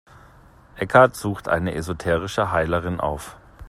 Eckhart suchte eine esoterische Heilerin auf.